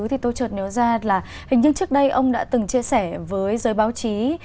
thì tôi chợt nhớ ra là hình như trước đây ông đã từng chia sẻ với giới báo chí